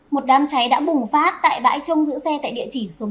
một đám cháy đã bùng phát tại vãi trông giữa xe tại địa chỉ số ba mươi năm